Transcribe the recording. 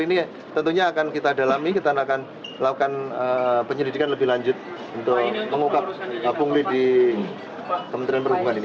ini tentunya akan kita dalami kita akan lakukan penyelidikan lebih lanjut untuk mengungkap pungli di kementerian perhubungan ini